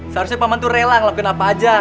seharusnya paman tuh rela ngelakuin apa aja